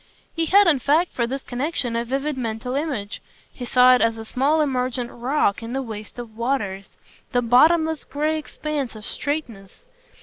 He had in fact for this connexion a vivid mental image he saw it as a small emergent rock in the waste of waters, the bottomless grey expanse of straightness.